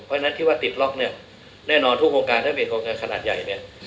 เพราะฉะนั้นที่ว่าติดล็อกเนี่ยแน่นอนทุกโครงการถ้าเป็นโครงการขนาดใหญ่เนี่ย